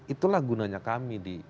itulah gunanya kami di